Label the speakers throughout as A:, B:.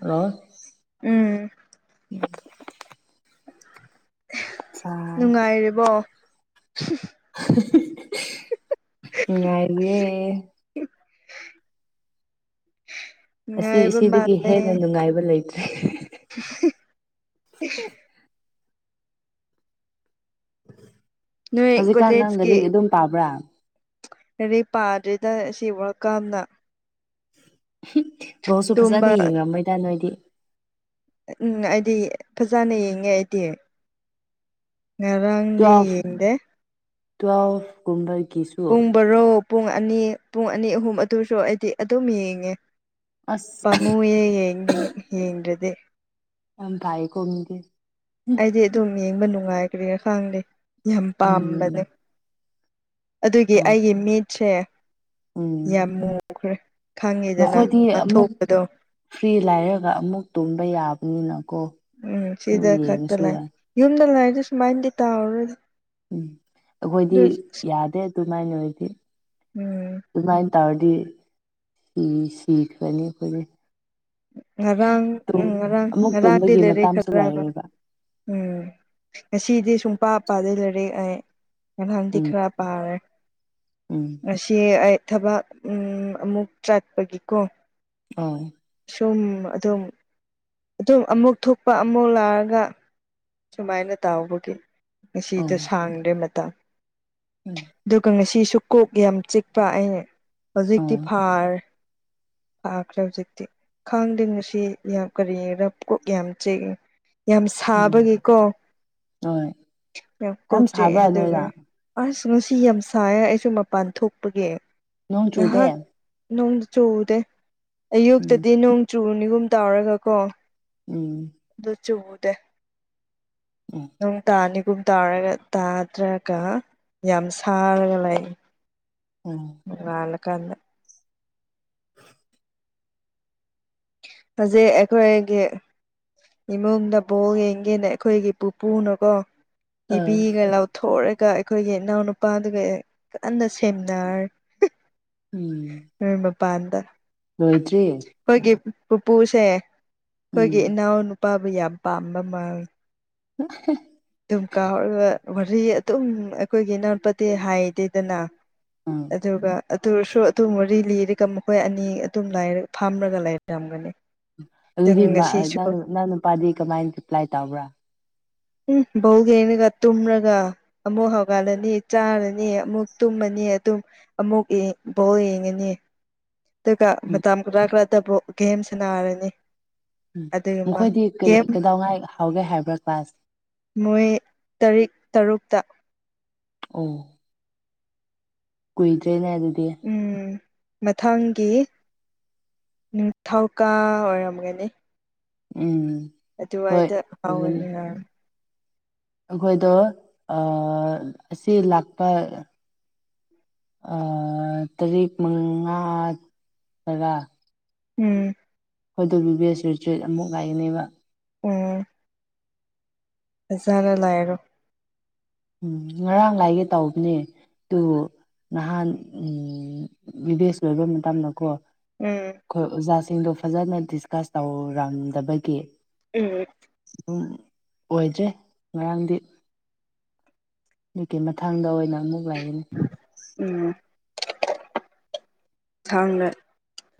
A: hello
B: ꯎꯝ
A: ꯆꯥꯏ
B: ꯅꯨꯡꯉꯥꯏꯔꯤꯕꯣ
A: ꯅꯨꯡꯉꯥꯏꯔꯤꯌꯦ ꯑꯁꯤ
B: ꯅꯨꯡꯉꯥꯏꯕ
A: ꯁꯤꯗꯒꯤ
B: ꯃꯥꯜꯂꯦ
A: ꯍꯦꯟꯅ ꯅꯨꯡꯉꯥꯏꯕ ꯂꯩꯇ꯭ꯔꯦ
B: [unintelligible] ꯅꯣꯏ
A: ꯍꯧꯖꯤꯛꯀꯥꯟ ꯅꯪ
B: ꯀꯣꯂꯦꯖꯀꯤ
A: ꯂꯥꯏꯔꯤꯛ ꯑꯗꯨꯝ ꯄꯥꯕ꯭ꯔꯥ
B: ꯂꯥꯏꯔꯤꯛ ꯄꯥꯗ꯭ꯔꯤꯗ ꯑꯁꯤ ꯋꯥꯔ꯭ꯜ ꯀꯞꯅ
A: ꯕꯣꯜꯖꯨ ꯐꯖꯅ
B: ꯇꯨꯝꯕ
A: ꯌꯦꯡꯉꯝꯔꯣꯏꯗ ꯅꯣꯏꯗꯤ
B: ꯎꯝ ꯑꯩꯗꯤ ꯐꯖꯅ ꯌꯦꯡꯉꯦ ꯑꯩꯗꯤ ꯉꯔꯥꯡꯗꯤ
A: ꯇꯨꯋꯦꯜꯐ
B: ꯌꯦꯡꯗꯦ
A: ꯇꯨꯋꯦꯜꯐ ꯀꯨꯝꯕ ꯀꯤꯁꯨ
B: ꯄꯨꯡ ꯕꯥꯔꯣ ꯄꯨꯡ ꯑꯅꯤ ꯄꯨꯡ ꯑꯅꯤ ꯑꯍꯨꯝ ꯑꯗꯣꯏꯁꯨ ꯑꯩꯗꯤ ꯑꯗꯨꯝ ꯌꯦꯡꯉꯦ
A: ꯑꯁ
B: ꯄꯥꯝꯃꯨꯏꯌꯦ ꯌꯦꯡꯗ꯭ꯔꯤꯉꯩ ꯌꯦꯡꯗ꯭ꯔꯗꯤ
A: ꯌꯥꯝ ꯐꯥꯏꯌꯦꯀꯣ ꯃꯤꯗꯤ
B: ꯑꯩꯗꯤ ꯑꯗꯨꯝ ꯌꯦꯡꯕ ꯅꯨꯡꯉꯥꯏ ꯀꯔꯤꯔꯥ ꯈꯪꯗꯦ ꯌꯥꯝ
A: ꯎꯝ
B: ꯄꯥꯝꯕꯅꯦ ꯑꯗꯨꯒꯤ
A: ꯑꯣ
B: ꯑꯩꯒꯤ ꯃꯤꯠꯁꯦ
A: ꯎꯝ
B: ꯌꯥꯝ ꯃꯨꯈ꯭ꯔꯦ ꯈꯪꯉꯤꯗꯅ
A: ꯅꯈꯣꯏꯗꯤ
B: [unintelligible]
A: ꯑꯃꯨꯛ
B: ꯊꯣꯛꯄꯗꯣ
A: ꯐ꯭ꯔꯤ ꯂꯥꯏꯔꯒ ꯑꯃꯨꯛ ꯇꯨꯝꯕ ꯌꯥꯕꯅꯤꯅꯀꯣ
B: ꯎꯝ
A: ꯑꯗꯨꯝ
B: ꯁꯤꯗ ꯈꯛꯇ
A: ꯌꯦꯡꯉꯁꯨ
B: ꯂꯥꯛ
A: ꯌꯥꯏ
B: ꯌꯨꯝꯗ ꯂꯩꯥꯔꯗꯤ ꯁꯨꯃꯥꯏꯅꯗꯤ ꯇꯥꯔꯔꯣꯏꯗ
A: ꯎꯝ ꯑꯩꯈꯣꯏꯗꯤ ꯌꯥꯗꯦ ꯑꯗꯨꯃꯥꯏꯅ ꯑꯣꯏꯗꯤ
B: ꯎꯝ
A: ꯑꯗꯨꯃꯥꯏꯅ ꯇꯧꯔꯗꯤ ꯁꯤ ꯁꯤꯈ꯭ꯔꯅꯤ ꯑꯩꯈꯣꯏꯗꯤ
B: ꯉꯔꯥꯡ
A: ꯇꯨꯝ
B: ꯎꯝ ꯉꯔꯥꯡ
A: ꯑꯃꯨꯛ
B: ꯉꯔꯥꯡꯗꯤ
A: ꯇꯨꯝꯕꯒꯤ
B: ꯂꯥꯏꯔꯤꯛ
A: ꯃꯇꯝꯁꯨ
B: ꯈꯔ ꯄꯥꯕ꯭ꯔꫭ
A: ꯂꯩꯔꯣꯏꯕ
B: ꯎꯝ ꯉꯁꯤꯗꯤ ꯁꯨꯡꯄꯥ ꯄꯥꯗꯦ ꯂꯩꯥꯏꯔꯛ ꯑꯩ ꯅꯥꯍꯥꯟꯗꯤ
A: ꯎꯝ
B: ꯈꯔ ꯄꯥꯔꯦ
A: ꯎꯝ
B: ꯉꯁꯤ ꯑꯩ ꯊꯕꯛ ꯑꯃꯨꯛ ꯆꯠꯄꯒꯤꯀꯣ
A: [unintelligible]
B: ꯁꯨꯝ ꯑꯗꯨꯝ ꯑꯗꯨꯝ ꯑꯃꯨꯛ ꯊꯣꯛꯄ ꯑꯃꯨꯛ ꯂꯥꯛꯑꯒ ꯁꯨꯃꯥꯏꯅ ꯇꯥꯎꯕꯒꯤ
A: ꯑꯣ
B: ꯉꯁꯤꯗ ꯁꯥꯡꯗ꯭ꯔꯦ ꯃꯇꯥꯡ
A: ꯎꯝ
B: ꯑꯗꯨꯒ ꯉꯁꯤꯁꯨ ꯀꯣꯛ ꯌꯥꯝ ꯆꯤꯛꯄ ꯑꯩꯅ ꯍꯧꯖꯤꯛꯇꯤ
A: ꯑꯣ
B: ꯐꯥꯔꯦ ꯐꯥꯈ꯭ꯔꯦ ꯍꯧꯖꯤꯛꯇꯤ ꯈꯥꯡꯗꯦ ꯉꯁꯤ ꯌꯥꯝ ꯀꯔꯤ ꯔꯞ ꯀꯣꯛ ꯌꯥꯝ ꯆꯤꯛꯏ ꯌꯥꯝ
A: ꯎꯝ
B: ꯁꯥꯕꯒꯤꯀꯣ
A: ꯍꯣꯏ
B: ꯌꯥꯝ ꯀꯣꯛꯆꯦꯛꯑꯦ
A: ꯁꯥꯕ꯭ꯔꯥ
B: ꯑꯗꯨꯒ
A: ꯅꯣꯏꯗ
B: ꯑꯁ ꯉꯁꯤ ꯌꯥꯝ ꯁꯥꯏ ꯑꯩꯁꯨ ꯃꯄꯥꯟ ꯊꯣꯛꯄꯒꯤ
A: ꯅꯣꯡ ꯆꯨꯗꯦ
B: ꯉꯍꯥꯛ ꯅꯣꯡ ꯆꯨꯗꯦ
A: ꯎꯝ
B: ꯑꯌꯨꯛꯇꯗꯤ ꯅꯣꯡ ꯆꯨꯅꯤꯒꯨꯝ ꯇꯧꯔꯒ ꯀꯣ
A: ꯎꯝ
B: ꯑꯗꯨ ꯆꯨꯗꯦ
A: [inaudible]
B: ꯅꯣꯡ ꯇꯥꯅꯤꯒꯨꯝ ꯇꯥꯔꯒ ꯇꯥꯗ꯭ꯔꯒ ꯌꯥꯝ ꯁꯥꯔꯒ ꯂꯩ
A: ꯎꯝ
B: ꯅꯣꯉꯥꯜꯂꯛꯀꯟꯗꯥ ꯐꯖꯩ ꯑꯩꯈꯣꯏꯒꯤ ꯏꯃꯨꯡꯗ ꯕꯣꯜ ꯌꯦꯡꯒꯦꯅ ꯑꯩꯈꯣꯏꯒꯤ ꯄꯨꯄꯨꯅꯀꯣ
A: ꯑꯥ
B: ꯇꯤꯚꯤꯒ ꯂꯧ ꯊꯣꯛꯔꯒꯥ ꯑꯩꯈꯣꯏꯒꯤ ꯏꯅꯥꯎꯅꯨꯄꯥꯗꯨꯒ ꯀꯟꯅ ꯁꯦꯟꯅꯔꯦ
A: ꯎꯝ
B: [unintelligible] ꯃꯄꯥꯟꯗ
A: ꯂꯣꯏꯗꯔ꯭ꯤ
B: ꯑꯩꯈꯣꯏꯒꯤ ꯄꯨꯄꯨꯁꯦ ꯑꯩꯈꯣꯏꯒꯤ
A: ꯎꯝ
B: ꯏꯅꯥꯎ ꯅꯨꯄꯥꯕꯨ ꯌꯥꯝ ꯄꯥꯝꯕ ꯃꯥꯜꯂꯦ
A: [inaudible]
B: ꯑꯗꯨꯝ ꯀꯥꯎꯔꯒ ꯋꯥꯔꯤ ꯑꯗꯨꯝ ꯑꯩꯈꯣꯏꯒꯤ ꯏꯅꯥꯎꯄꯗꯤ ꯍꯥꯏꯗꯦꯗꯅ
A: [inaudible]
B: ꯑꯗꯨꯒ ꯑꯗꯨꯔꯁꯨ ꯑꯗꯨꯝ ꯋꯥꯔꯤ ꯂꯤꯔꯒ ꯃꯈꯣꯏ ꯑꯅꯤ ꯑꯗꯨꯝ ꯐꯥꯝꯔꯥꯒ ꯂꯩꯔꯝꯒꯅꯤ ꯑꯗꯨ
A: ꯑꯗꯨꯗꯤ ꯅ
B: ꯉꯁꯤꯁꯨ
A: ꯅꯪ ꯅꯨꯄꯥꯗꯤ ꯀꯃꯥꯏꯅ ꯔꯤꯄ꯭ꯂꯥꯏ ꯇꯧꯕ꯭ꯔꯥ
B: ꯎꯝ ꯕꯣꯜ ꯌꯦꯡꯔꯒꯥ ꯇꯨꯃ꯭ꯔꯒ ꯑꯃꯨꯛ ꯍꯧꯒꯠꯂꯅꯤ ꯆꯥꯔꯅꯤ ꯑꯃꯨꯛ ꯇꯨꯝꯃꯅꯤ ꯑꯗꯨꯝ ꯑꯃꯨꯛ [unintelligible] ꯕꯣꯜ ꯌꯦꯡꯉꯅꯤ ꯑꯗꯨꯒ
A: ꯎꯝ
B: ꯃꯇꯝ ꯈꯔꯥ ꯈꯔꯥꯗꯕꯨ ꯒꯦꯝ ꯁꯟꯅꯔꯅꯤ
A: ꯎꯝ ꯃꯈꯣꯏꯗꯤ ꯀꯗꯥꯧꯉꯥꯏ ꯍꯧꯥꯒꯦ ꯍꯥꯏꯕ꯭ꯔꯥ ꯀ꯭ꯂꯥꯁ
B: ꯃꯣꯏ ꯇꯔꯤꯛ ꯇꯔꯨꯛꯇ
A: ꯎꯝ ꯀꯨꯏꯗ꯭ꯔꯦꯅꯦ ꯑꯗꯨꯗꯤ
B: ꯎꯝ ꯃꯊꯪꯒꯤ ꯅꯤꯊꯧꯀꯥ ꯑꯣꯏꯔꯝꯒꯅꯤ
A: ꯎꯝ ꯍꯣꯏ
B: ꯑꯗꯨꯋꯥꯏꯗ ꯍꯥꯎꯒꯅꯤꯍ
A: ꯑꯈꯣꯏꯗ ꯑ ꯑꯁꯤ ꯂꯥꯛꯄ ꯑ ꯇꯔꯦꯛ ꯃꯉꯥ ꯇꯔꯥ
B: ꯎꯝ
A: ꯍꯣꯏꯗꯣ ꯕꯤ ꯕꯁ ꯁꯤꯔꯤꯁꯇ꯭ꯔꯦꯠ ꯑꯃꯨꯛ ꯉꯥꯏꯔꯤꯅꯦꯕ
B: ꯎꯝ ꯐꯖꯅ ꯂꯩꯔꯣ
A: ꯎꯝ ꯉꯔꯥꯡ ꯂꯥꯏꯒꯦ ꯇꯧꯕꯅꯦ ꯇꯨ ꯅꯍꯥꯟ ꯕꯤꯚꯦꯁ ꯂꯣꯏꯕ ꯃꯇꯝꯗꯀꯣ
B: ꯎꯝ
A: ꯑꯈꯣꯏ ꯑꯣꯖꯥꯁꯤꯡꯗꯣ ꯐꯖꯅ ꯗꯤꯁꯀꯁ ꯇꯧꯔꯝꯗꯕꯒꯤ
B: ꯎꯝ
A: ꯗꯨꯝ ꯑꯣꯏꯗ꯭ꯔ ꯃꯔꯝꯗꯤ ꯃꯤꯠꯀꯤ ꯃꯊꯡꯗ ꯑꯣꯏꯅ ꯑꯃꯨꯛ ꯂꯩꯒꯅꯤ
B: ꯎꯝ ꯊꯡꯂꯦ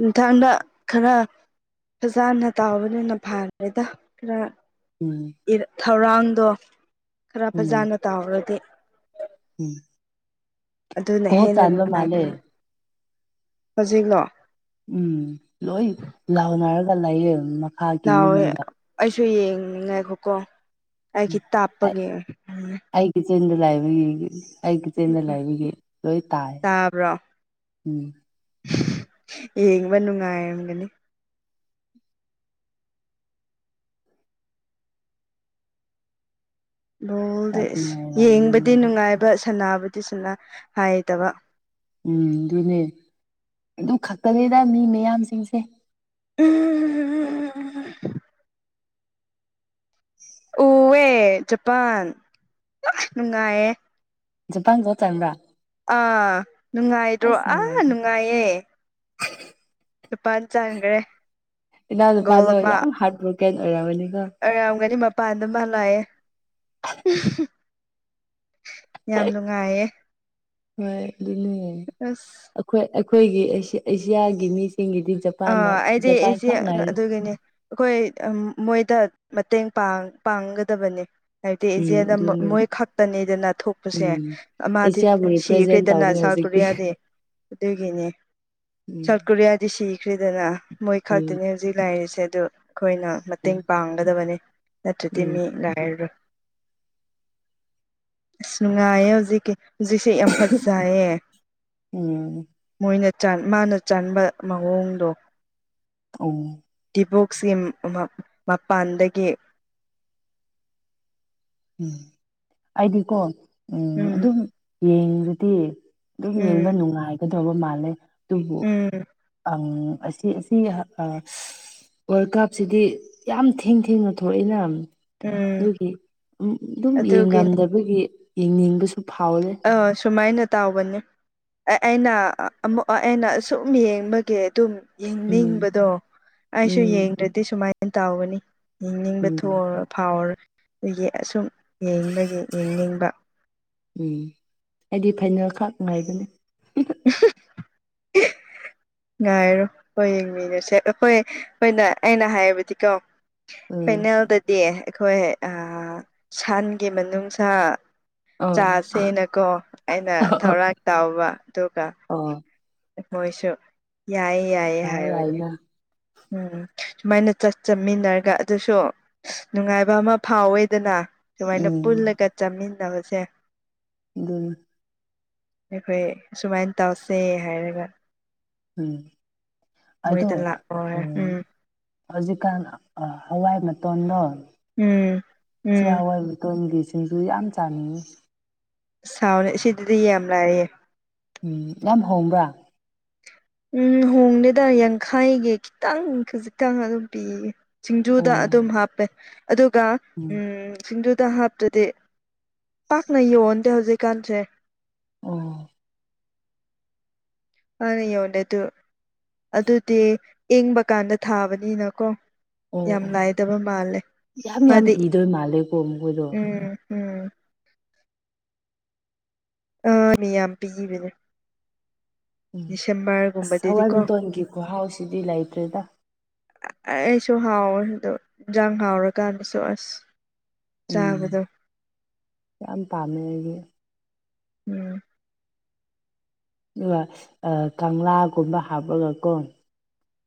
B: ꯅꯤꯡꯊꯝꯗ ꯈꯔ ꯐꯖꯝꯅ ꯇꯥꯎꯕꯅꯤꯅ ꯐꯥꯔꯦꯗ ꯈꯔ
A: ꯎꯝ
B: ꯄꯤꯔ ꯊꯧꯔꯥꯡꯗꯣ ꯈꯔ
A: ꯎꯝ
B: ꯐꯖꯅ ꯇꯧꯔꯗꯤ
A: ꯎꯝ
B: ꯑꯗꯨꯅ
A: ꯀꯣꯜ
B: ꯍꯦꯟꯅ
A: ꯆꯥꯟꯕ ꯃꯥꯜꯂꯦ
B: ꯅꯨꯡꯉꯥꯏꯕꯅꯤ ꯍꯧꯖꯤꯛꯂꯣ
A: ꯎꯝ ꯂꯣꯏ ꯂꯥꯎꯅꯔꯒ ꯂꯩꯌꯦꯑꯣꯔꯝꯅ
B: ꯂꯥꯎꯋꯦ ꯑꯩꯁꯨ ꯌꯦꯡꯅꯤꯡ ꯉꯥꯏꯈꯣꯀꯣ ꯑꯩꯈꯤ ꯇꯥꯞꯄꯌꯦꯡ ꯎꯝ
A: ꯑꯩꯒꯤꯆꯦꯟꯗ ꯂꯥꯏꯕꯔ ꯌꯦꯡꯒꯦ ꯑꯩꯒꯤꯆꯦꯟꯗ ꯂꯥꯏꯕꯤꯒꯤ ꯂꯣꯏ ꯇꯥꯏ
B: ꯇꯥꯕ꯭ꯔꯣ
A: ꯎꯝ
B: ꯌꯦꯡꯕ ꯅꯨꯡꯉꯥꯏꯔꯝꯒꯅꯤ
A: ꯌꯥꯝ
B: ꯕꯣꯜꯗꯤꯁ ꯌꯦꯡꯕꯗꯤ
A: ꯅꯨꯡꯉꯥꯏꯔꯝꯅꯤ
B: ꯅꯨꯡꯉꯥꯏꯕ ꯁꯅꯥꯕꯗꯤ ꯁꯅ ꯍꯥꯏꯇꯕ
A: ꯎꯝ ꯑꯗꯨꯅꯦ ꯑꯗꯨ ꯈꯛꯇꯅꯦꯗ ꯃꯤ ꯃꯌꯥꯝꯁꯤꯡꯁꯦ
B: ꯎꯝ ꯎ ꯎꯝ ꯎꯋꯦ ꯖꯄꯥꯟ ꯅꯨꯡꯉꯥꯏꯌꯦ
A: ꯖꯄꯥꯟ ꯒꯣꯜ ꯆꯟꯕ꯭ꯔꯥ
B: ꯑꯥ ꯅꯨꯡꯉꯥꯏꯇ꯭ꯔꯣ ꯑꯥ ꯅꯨꯡꯉꯥꯏꯌꯦ ꯖꯄꯥꯟ ꯆꯟꯈ꯭ꯔꯦ
A: ꯏꯟꯅꯥꯎ
B: ꯒꯣꯜ
A: ꯅꯨꯄꯗꯣ
B: ꯑꯃ
A: ꯌꯥꯝ ꯍꯥꯔꯠꯕ꯭ꯔꯣꯛ ꯀꯟ ꯑꯣꯏꯔꯕꯅꯤꯀꯣ
B: ꯑꯣꯏꯔꯝꯒꯅꯤ ꯃꯄꯥꯟꯗ ꯃꯥ ꯂꯥꯛꯑꯦ ꯌꯥꯝ ꯅꯨꯡꯉꯥꯏꯌꯦ
A: ꯍꯣꯏ ꯑꯗꯨꯅꯤꯅꯦ
B: ꯑꯁ
A: ꯑꯈꯣꯏ ꯑꯩꯈꯣꯏꯒꯤ ꯑꯦꯁꯤꯌꯥ ꯑꯦꯁꯤꯌꯥꯒꯤ ꯃꯤꯁꯤꯡꯒꯤꯗꯤ ꯆꯞ
B: ꯑꯥ ꯑꯩꯗꯤ ꯑꯦꯁꯦ ꯑꯗꯨꯒꯤꯅꯦ ꯑꯈꯣꯏ ꯃꯣꯏꯗ ꯃꯇꯦꯡ ꯄꯥꯡ ꯄꯥꯡꯒꯗꯕꯅꯦ ꯍꯥꯏꯕꯗꯤ
A: ꯎꯝ
B: ꯏꯖꯦꯟꯗ
A: ꯑꯗꯨꯅꯦ
B: ꯃꯣꯏ ꯈꯛꯇꯅꯦꯗꯅ ꯊꯣꯛꯄꯁꯦ
A: ꯎꯝ
B: ꯑꯃꯊꯤꯠ
A: ꯑꯦꯁꯤꯌꯥꯕꯨ ꯔꯤꯄ꯭ꯔꯖꯦꯟ
B: ꯁꯤꯈ꯭ꯔꯦꯗꯅ
A: ꯇꯧꯕꯅꯦ
B: ꯁꯥꯎꯠ
A: ꯍꯧꯖꯤꯛꯇꯤ
B: ꯀꯣꯔꯤꯌꯥꯗꯤ ꯑꯗꯨꯒꯤꯅꯦ ꯁꯥꯎ
A: ꯎꯝ
B: ꯀꯨꯔꯤꯌꯥꯗꯤ ꯁꯤꯈ꯭ꯔꯦꯗꯅ ꯃꯣꯏ
A: ꯎꯝ
B: ꯈꯛꯇꯅꯤ ꯍꯧꯖꯤꯛ ꯂꯥꯏꯔꯤꯁꯦ ꯑꯗꯨ ꯑꯩꯈꯣꯏꯅ ꯃꯇꯦꯡ ꯄꯥꯡꯒꯗꯕꯅꯤ ꯅꯠꯇ꯭ꯔꯗꯤ
A: ꯎꯝ
B: ꯃꯤ ꯂꯥꯏꯔꯔꯣꯏ ꯑꯁ ꯅꯨꯡꯉꯥꯏꯌꯦ ꯍꯧꯖꯤꯛꯀꯤ ꯍꯧꯖꯤꯛꯁꯦ ꯌꯥꯝ ꯐꯖꯩꯌꯦ
A: ꯎꯝ ꯎꯝ
B: ꯃꯣꯏꯅ ꯆꯥꯟ ꯃꯥꯅ ꯆꯥꯟꯕ ꯃꯑꯣꯡꯗꯣ
A: ꯑꯣ
B: ꯗꯤꯕꯣꯛꯁꯤ ꯃꯄꯥꯟꯗꯒꯤ
A: ꯎꯝ ꯑꯩꯗꯤꯀꯣ ꯎꯝ ꯑꯗꯨꯝ ꯌꯦꯡꯔꯗꯤ ꯑꯗꯨꯝ
B: ꯎꯝ
A: ꯌꯦꯡꯕ ꯅꯨꯡꯉꯥꯏꯒꯗꯕ ꯃꯥꯜꯂꯦ ꯑꯗꯨꯕꯨ
B: ꯎꯝ
A: ꯑꯝ ꯑꯁꯤ ꯑꯁꯤ ꯑ ꯋꯥꯔꯜ ꯀꯞꯁꯤꯗꯤ ꯌꯥꯝ ꯊꯦꯡ ꯊꯦꯡꯅ ꯊꯣꯛꯏꯅ
B: ꯎꯝ
A: ꯑꯗꯨꯝ
B: ꯑꯗꯨꯒꯤꯅꯤ
A: ꯌꯦꯡꯂꯝꯗꯕꯒꯤ ꯌꯦꯡꯅꯤꯡꯕꯁꯨ ꯐꯥꯎꯗꯦ
B: ꯑꯥ ꯁꯨꯃꯥꯏꯅ ꯇꯥꯎꯕꯅꯦ ꯑꯦ ꯑꯩꯅ ꯑꯃꯛ ꯑꯩꯅ ꯁꯨꯝ ꯌꯦꯡꯕꯒꯤ ꯑꯗꯨꯝ
A: ꯎꯝ
B: ꯌꯦꯡꯅꯤꯡꯕꯗꯣ ꯑꯩꯁꯨ
A: ꯎꯝ
B: ꯌꯦꯡꯗ꯭ꯔꯗꯤ ꯁꯨꯃꯥꯏꯅ ꯇꯧꯒꯅꯤ ꯌꯦꯡꯅꯤꯡꯕ
A: ꯎꯝ
B: ꯊꯣꯛꯑ ꯐꯥꯎꯔ ꯗꯒꯤ ꯑꯁꯨꯝ ꯌꯦꯡꯕꯒꯤ ꯌꯦꯡꯅꯤꯡꯕ
A: ꯎꯝ ꯑꯩꯗꯤ ꯐꯥꯏꯅꯦꯜ ꯈꯛ ꯉꯥꯏꯕꯅꯦ
B: [unintelligible] ꯉꯥꯏꯔꯣ ꯍꯣꯏ ꯌꯦꯡꯃꯤꯟꯅꯁꯦ ꯑꯩꯈꯣꯏ ꯍꯣꯏꯅ ꯑꯩꯅ ꯍꯥꯏꯕꯗꯤ ꯀꯣ
A: ꯎꯝ
B: ꯐꯥꯏꯅꯦꯜꯗꯗꯤ ꯑꯩꯈꯣꯏ ꯁꯟꯒꯤ ꯃꯅꯨꯡꯁꯥ
A: ꯑꯣ
B: ꯆꯥꯁꯦꯅꯀꯣ ꯑꯩꯅ
A: ꯑꯣ
B: ꯊꯧꯔꯥꯡ ꯇꯧꯕ ꯑꯗꯨꯒ
A: ꯑꯣ
B: ꯃꯣꯏꯁꯨ ꯌꯥꯏꯌꯦ ꯌꯥꯏꯌꯦ
A: ꯑꯣ
B: ꯍꯥꯏꯕꯅꯦ
A: ꯌꯥꯏꯅ
B: ꯎꯝ ꯁꯨꯃꯥꯏꯅ ꯆꯠ ꯆꯃꯤꯟꯅꯔꯒ ꯑꯗꯨꯁꯨ ꯅꯨꯡꯉꯥꯏꯕ ꯑꯃ ꯐꯥꯎꯋꯦꯗꯅ ꯁꯨꯃꯥꯏꯅ
A: ꯎꯝ
B: ꯄꯨꯜꯂꯒ ꯆꯥꯃꯤꯟꯅꯕꯁꯦ
A: ꯑꯗꯨꯅꯤ
B: ꯑꯩꯈꯣꯏ ꯁꯨꯃꯥꯏꯅ ꯇꯧꯁꯦ ꯍꯥꯏꯔꯒ
A: ꯎꯝ ꯑꯗꯣ
B: ꯃꯣꯏꯗ
A: ꯎ
B: ꯂꯥꯛꯑꯣ ꯎꯝ
A: ꯍꯧꯖꯤꯛꯀꯥꯟ ꯑ ꯍꯋꯥꯏ ꯃꯇꯣꯟꯗꯣ
B: ꯎꯝ
A: ꯆꯦ
B: ꯎꯝ
A: ꯍꯋꯥꯏ ꯇꯣꯟꯒꯤ ꯁꯤꯡꯖꯨ ꯌꯥꯝ ꯆꯥꯅꯤꯡꯉꯦ
B: ꯑ ꯁꯥꯎꯅꯦ ꯁꯤꯗꯗꯤ ꯌꯥꯝ ꯂꯩꯌꯦ
A: ꯎꯝ ꯌꯥꯝ ꯍꯣꯡꯕ꯭ꯔꯥ
B: ꯎꯝ ꯍꯣꯡꯗꯦꯗ ꯌꯥꯡꯈꯩꯒꯤ ꯈꯤꯇꯪ ꯈꯖꯤꯛꯇꯪ ꯑꯗꯨꯝ ꯄꯤꯌꯦ
A: ꯑꯣ
B: ꯁꯤꯡꯖꯨꯗ ꯑꯗꯨꯝ ꯍꯥꯞꯄꯦ ꯑꯗꯨꯒ ꯎꯝ ꯁꯤꯡꯖꯨꯗ ꯍꯥ ꯑꯗꯨꯗꯤ ꯄꯥꯛꯅ ꯌꯣꯟꯗꯦ ꯍꯧꯖꯤꯛꯀꯥꯟꯁꯦ
A: ꯑꯣ
B: ꯐꯅ ꯌꯧꯗꯦ ꯑꯗꯨ ꯑꯗꯨꯗꯤ ꯏꯪꯕ ꯀꯥꯟꯗ ꯊꯥꯕꯅꯤꯅꯀꯣ ꯌꯥꯝ
A: ꯑꯣ
B: ꯂꯩꯗꯕ ꯃꯥꯜꯂꯦ
A: ꯌꯥꯝ ꯌꯥꯝ
B: ꯃꯥꯗꯤ
A: ꯄꯤꯗꯣꯏ ꯃꯥꯜꯂꯦꯀꯣ ꯃꯈꯣꯏꯗꯣ
B: ꯎꯝ ꯎꯝ ꯑ ꯃꯤꯌꯥꯝ ꯄꯤꯒꯤꯕꯅꯦ
A: ꯎꯝ ꯑꯁ ꯍꯋꯥꯏ
B: ꯗꯤꯁꯦꯝꯕꯔꯒꯨꯝꯕꯗꯗꯤꯀꯣ
A: ꯃꯇꯣꯟꯒꯤ ꯈꯨꯍꯥꯎꯁꯤꯗꯤ ꯂꯩꯇ꯭ꯔꯦꯗ
B: ꯑꯩꯁꯨ ꯍꯥꯎꯋꯦ ꯑꯗꯣ ꯌꯦꯟꯖꯥꯡ ꯍꯥꯎꯔꯀꯥꯟꯗꯁꯨ ꯑꯁ
A: ꯎꯝ
B: ꯆꯥꯕꯗꯣ
A: ꯌꯥꯝ ꯄꯥꯝꯃꯦ ꯑꯩꯗꯤ
B: ꯎꯝ
A: ꯑꯗꯨꯒ ꯀꯪꯂꯥꯒꯨꯝꯕ ꯍꯥꯞꯄꯒꯀꯣ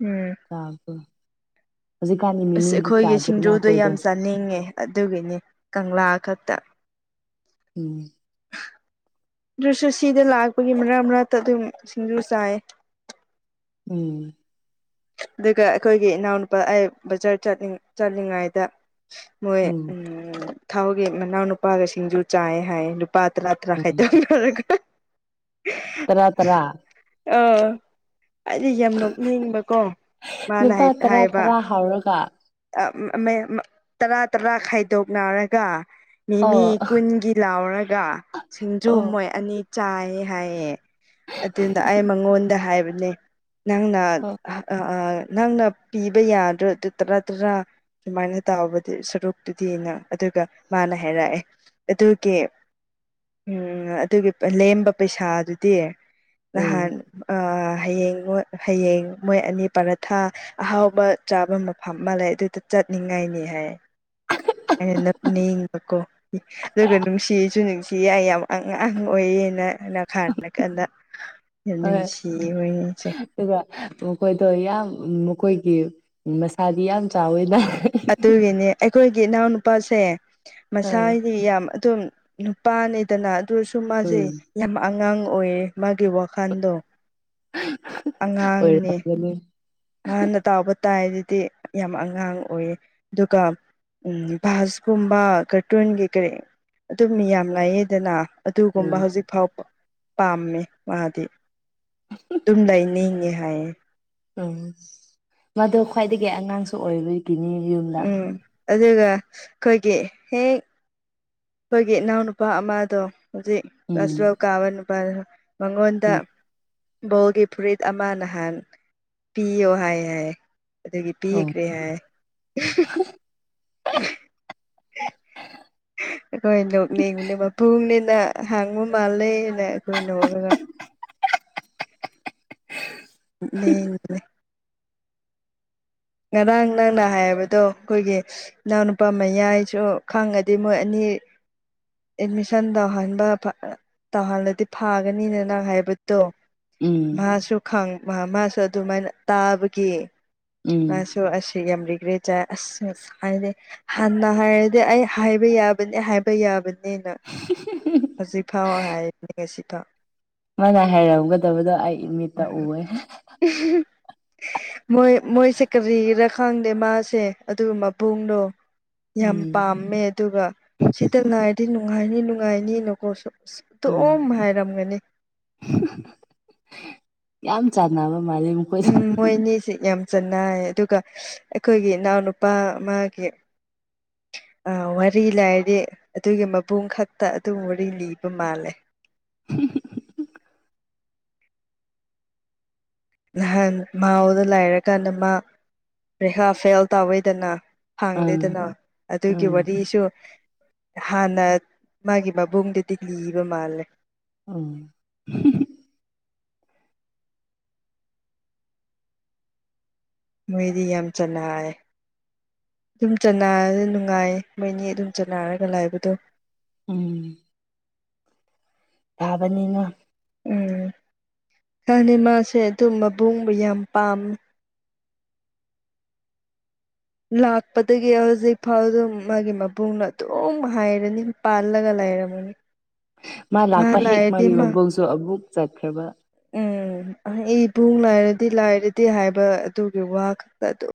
B: ꯎꯝ
A: ꯆꯥꯕꯣ ꯍꯧꯖꯤꯛꯀꯥꯟꯗꯤ ꯃꯤꯃꯤꯗꯤ ꯆꯥꯗ꯭ꯔꯦꯅ ꯑꯩꯈꯣꯏꯗꯣ
B: ꯅꯤꯡꯉꯦ ꯑꯗꯨꯒꯤꯅꯤ ꯀꯪꯂꯥ ꯈꯛꯇ
A: ꯎꯝ
B: ꯑꯗꯨꯁꯨ ꯁꯤꯗ ꯂꯥꯛꯄꯒꯤ ꯃꯔꯛ ꯃꯔꯛꯇ ꯑꯗꯨꯝ ꯁꯤꯡꯖꯨ ꯆꯥꯏꯌꯦ
A: ꯎꯝ
B: ꯑꯗꯨꯒ ꯑꯩꯈꯣꯏꯒꯤ ꯏꯅꯥꯎꯅꯨꯄꯥ ꯑꯩ ꯕꯖꯥꯔ ꯆꯠꯂꯤ ꯆꯠꯂꯤꯉꯩꯗ ꯃꯣꯏ ꯎ ꯊꯥꯎꯒꯤ ꯃꯅꯥꯎ ꯅꯨꯄꯥꯒ ꯁꯤꯡꯖꯨ ꯆꯥꯏ ꯍꯥꯏ ꯅꯨꯄꯥ ꯇꯔꯥ ꯇꯔꯥ
A: ꯎꯝ
B: ꯈꯥꯏꯗꯧ [unintelligible] [unintelligible]
A: ꯇꯔꯥ ꯇꯔꯥ
B: ꯑ ꯑꯩꯗꯤ ꯌꯥꯝ ꯅꯣꯛꯅꯤꯡꯕ ꯀꯣ ꯃꯥꯅ
A: ꯂꯨꯄꯥ
B: ꯍꯥꯏ
A: ꯇꯔꯥ
B: ꯍꯥꯏꯕ
A: ꯇꯔꯥ ꯍꯧꯔꯒ
B: ꯇꯔꯥ ꯇꯔꯥ ꯈꯥꯏꯗꯣꯛꯅꯔꯒ
A: ꯑꯣ
B: ꯃꯤꯃꯤ ꯀꯨꯟꯒꯤ ꯂꯥꯎꯔꯒ ꯁꯤꯡꯖꯨ
A: ꯑꯣ
B: ꯃꯣꯏ ꯑꯅꯤ ꯆꯥꯏꯌꯦ ꯍꯥꯏꯌꯦ ꯑꯗꯨꯅ ꯑꯩ ꯃꯉꯣꯟꯗ ꯍꯥꯏꯕꯅꯦ ꯅꯪꯅ
A: ꯑꯣ
B: ꯅꯪꯅ ꯄꯤꯕ ꯌꯥꯗ꯭ꯔꯣ ꯑꯗꯨ ꯇꯔꯥ ꯇꯔꯥ ꯑꯗꯨꯃꯥꯏꯅ ꯇꯥꯎꯕ ꯁꯔꯨꯛꯇꯨꯗꯤꯅ ꯑꯗꯨꯒ ꯃꯥꯅ ꯍꯥꯏꯔꯛꯑꯦ ꯑꯗꯨꯒꯤ ꯎꯝ ꯑꯗꯨꯒꯤ ꯂꯦꯝꯕ ꯄꯩꯁꯥ ꯑꯗꯨꯗꯤ
A: ꯎꯝ
B: ꯅꯍꯥꯟ ꯑ ꯍꯌꯦꯡ ꯃꯨꯛ ꯍꯌꯦꯡ ꯃꯣꯏ ꯑꯅꯤ ꯄꯔꯊꯥ ꯑꯍꯥꯎꯕ ꯆꯥꯕ ꯃꯐꯝ ꯑꯃ ꯂꯩ ꯑꯗꯨꯗ ꯆꯠꯅꯤꯡꯉꯥꯏꯅꯤ ꯍꯥꯏ [unintelligible] ꯅꯞꯅꯤꯡꯕꯀꯣ ꯑꯗꯨꯒ ꯅꯨꯡꯁꯤꯁꯨ ꯅꯨꯡꯁꯤ ꯍꯥꯏ ꯑꯃꯨꯛ ꯑꯉꯥꯡ ꯑꯣꯏꯌꯦꯅ [unintelligible] ꯌꯥꯝ
A: ꯍꯣꯏ
B: ꯅꯨꯡꯁꯤꯌꯦ ꯃꯣꯏ [unintelligible]
A: ꯑꯗꯨꯒ ꯃꯈꯣꯏꯗꯣ ꯌꯥꯝ ꯃꯈꯣꯏꯒꯤ ꯃꯁꯥꯗꯤ ꯌꯥꯝ ꯆꯥꯎꯋꯦꯅ
B: ꯑꯗꯨꯒꯤꯅꯦ ꯑꯩꯈꯣꯏꯒꯤ ꯏꯅꯥꯎꯅꯨꯄꯥꯁꯦ
A: ꯑꯥ
B: ꯃꯁꯥꯒꯤꯗꯤ ꯌꯥꯝ ꯑꯗꯨꯝ ꯄꯥꯅꯤꯗꯅ ꯑꯗꯨꯁꯨ ꯃꯥꯁꯦ
A: ꯎꯝ
B: ꯌꯥꯝ ꯑꯉꯥꯡ ꯑꯣꯏꯌꯦ ꯃꯥꯒꯤ ꯋꯥꯈꯟꯗꯣ ꯑꯉꯥꯡꯅꯦ
A: ꯑꯣꯏꯔꯝꯒꯅꯤ
B: ꯃꯥꯅ ꯇꯥꯎꯕ ꯇꯥꯏ ꯑꯗꯨꯗꯤ ꯌꯥꯝ ꯑꯉꯥꯡ ꯑꯣꯏꯌꯦ ꯑꯗꯨꯒ ꯎꯝ ꯚꯁꯀꯨꯝꯕ ꯀꯥꯔꯇꯨꯟꯒꯤ ꯀꯔꯤ ꯑꯗꯨ ꯃꯤꯌꯥꯝ ꯂꯥꯏꯌꯦꯗꯅ ꯑꯗꯨꯒꯨꯝꯕ
A: ꯎꯝ
B: ꯍꯧꯖꯤꯛ ꯐꯥꯎꯕ ꯄꯥꯝꯃꯦ ꯃꯥꯗꯤ ꯑꯗꯨꯨꯝ ꯂꯩꯅꯤꯡꯉꯦ ꯍꯥꯏꯌꯦ
A: ꯎꯝ ꯃꯗꯣ ꯈ꯭ꯋꯥꯏꯗꯒꯤ ꯑꯉꯥꯡꯁꯨ ꯑꯣꯏꯕꯒꯤꯅꯤ ꯌꯨꯝꯗ
B: ꯎꯝ ꯑꯗꯨꯒ ꯑꯩꯈꯣꯏꯒꯤ ꯍꯦꯛ ꯑꯩꯈꯣꯏꯒꯤ ꯏꯅꯥꯎ ꯅꯨꯄꯥ ꯑꯃꯗꯣ ꯍꯧꯖꯤꯛ ꯀ꯭ꯂꯥꯁ
A: ꯎꯝ
B: ꯇꯨꯋꯦꯜꯐ ꯀꯥꯕ ꯅꯨꯄꯥꯗꯣ ꯃꯉꯣꯟꯗ
A: ꯎꯝ
B: ꯕꯣꯜꯒꯤ ꯐꯨꯔꯤꯠ ꯑꯃ ꯅꯍꯥꯟ ꯄꯤꯌꯣ ꯍꯥꯏ ꯍꯥꯏꯌꯦ ꯑꯗꯨꯒꯤ
A: ꯑꯣ
B: ꯄꯤꯈ꯭ꯔꯦ ꯍꯥꯏ ꯑꯩꯈꯣꯏ ꯅꯣꯛꯅꯤꯡꯕꯅꯦ ꯃꯄꯨꯡꯅꯤꯅ ꯍꯪꯕꯨ ꯃꯥꯜꯂꯅ ꯑꯩꯈꯣꯏ ꯅꯣꯛꯂꯒ [unintelligible] ꯉꯔꯥꯡ ꯅꯪꯅ ꯍꯥꯏꯕꯗꯣ ꯑꯩꯈꯣꯏꯒꯤ ꯏꯅꯥꯎ ꯅꯨꯄꯥ ꯃꯌꯥꯏꯁꯨ ꯈꯪꯉꯥꯗꯤ ꯃꯣꯏ ꯑꯅꯤ ꯑꯦꯠꯃꯤꯁꯟ ꯇꯧꯍꯟꯕ ꯐ ꯇꯧꯍꯜꯂꯗꯤ ꯐꯥꯒꯅꯤꯅ ꯅꯪ ꯍꯥꯏꯕꯗꯣ
A: ꯎꯝ
B: ꯃꯥꯁꯨ ꯈꯪ ꯃꯥꯁꯨ ꯑꯗꯨꯃꯥꯏꯅ ꯇꯥꯕꯒꯤ
A: ꯎꯝ
B: ꯃꯥꯁꯨ ꯇꯣꯛꯑꯁꯤ ꯌꯥꯝ ꯔꯤꯒ꯭ꯔꯦꯠ ꯆꯥꯏ ꯑꯁ ꯉꯁꯥꯏꯗꯩ ꯍꯥꯟꯅ ꯍꯥꯏꯔꯗꯤ ꯑꯩ ꯍꯥꯏꯕ ꯌꯥꯕꯅꯤ ꯍꯥꯏꯕ ꯌꯥꯕꯅꯤ ꯅꯦꯅ ꯍꯧꯖꯤꯛ ꯐꯥꯎ ꯍꯥꯏꯔꯤ [unintelligible]
A: ꯃꯥꯅ ꯍꯥꯏꯔꯝꯒꯗꯕꯗꯣ ꯑꯩ ꯏꯃꯤꯠꯇ ꯎꯑꯦ
B: ꯎꯍꯪ ꯃꯣꯏ ꯃꯣꯏꯁꯦ ꯀꯔꯤꯔꯥ ꯈꯪꯗꯦ ꯃꯥꯁꯦ ꯑꯗꯨꯒ ꯃꯕꯨꯡꯗꯣ ꯌꯥꯝ
A: ꯎꯝ
B: ꯄꯥꯝꯃꯦ ꯑꯗꯨꯒ ꯁꯤꯗ ꯉꯥꯏꯔꯗꯤ ꯅꯨꯡꯉꯥꯏꯅꯤ ꯅꯨꯡꯉꯥꯏꯅꯤꯅꯀꯣ ꯁꯨꯝ
A: ꯎꯝ
B: ꯇꯨꯝ ꯍꯥꯏꯔꯝꯒꯅꯤ
A: ꯌꯥꯝ ꯆꯥꯟꯅꯕ ꯃꯥꯂꯦ
B: ꯎꯝ ꯃꯣꯏ ꯑꯅꯤꯁꯤ ꯌꯥꯝ ꯆꯅꯌ‌ꯦ ꯑꯗꯨꯒ ꯑꯩꯈꯣꯏꯒꯤ ꯏꯅꯥꯎꯅꯨꯄꯥ ꯃꯥꯒꯤ ꯑꯥ ꯋꯥꯔꯤ ꯂꯥꯏꯔꯤ ꯑꯗꯨꯒꯤ ꯃꯕꯨꯡ ꯈꯛꯇ ꯑꯗꯨꯝ ꯋꯥꯔꯤ ꯂꯤꯕ ꯃꯥꯜꯂꯦ
A: [unintelligible]
B: ꯅꯍꯥꯟ ꯃꯥꯎꯗ ꯂꯩꯔꯀꯥꯟꯗ ꯃꯥ ꯄꯔꯤꯈꯥ ꯐꯦꯜ ꯇꯧꯋꯏꯗꯅ
A: ꯑꯥ
B: ꯐꯪꯗꯦꯗꯅ ꯑꯗꯨꯒꯤ
A: ꯎꯝ
B: ꯋꯥꯔꯤꯁꯨ ꯍꯥꯟꯅ ꯃꯥꯒꯤ ꯃꯕꯨꯡꯗꯨꯗꯤ ꯂꯤꯕ ꯃꯥꯜꯂꯦ
A: [unintelligible]
B: ꯃꯣꯏꯗꯤ ꯌꯥꯝ ꯆꯂꯥꯏ ꯗꯨꯝ ꯆꯅꯔ ꯅꯨꯉꯥꯏꯌꯦ ꯃꯣꯏꯅꯤ ꯑꯗꯨꯝ ꯆꯅꯥꯔꯒ ꯂꯩꯕꯗꯣ
A: ꯎꯝ ꯇꯥꯕꯅꯤꯅ
B: ꯎꯝ ꯈꯪꯗ‌ꯦ ꯃꯥꯁꯦ ꯑꯗꯨꯝ ꯃꯕꯨꯡ ꯕꯨ ꯌꯥꯝ ꯄꯥꯝ ꯂꯥꯛꯄꯗꯒꯤ ꯍꯧꯖꯤꯛ ꯐꯥꯎꯗ ꯃꯥꯒꯤ ꯃꯕꯨꯡꯅ ꯑꯗꯨꯝ ꯍꯥꯏꯔꯅꯤ ꯄꯥꯜꯂꯒ ꯂꯩꯔꯝꯃ [unintelligible]
A: ꯃꯥ ꯂꯥꯛꯄ ꯍꯦꯛ ꯃꯥꯒꯤ ꯃꯕꯨꯡꯁꯨ ꯑꯕꯨꯛ ꯆꯠꯈ꯭ꯔꯕ
B: ꯎꯝ ꯑꯥꯏ ꯏꯕꯨꯡ ꯂꯥꯏꯔꯗꯤ ꯂꯥꯏꯔꯗꯤ ꯍꯥꯏꯕ ꯑꯗꯨꯒꯤ ꯋꯥ ꯈꯛꯇ ꯗꯨ